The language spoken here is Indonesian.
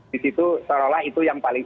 disitu seolah olah itu yang paling